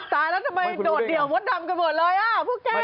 ตายแล้วทำไมโดดเดี่ยวมดดำกันหมดเลยอ่ะพวกแก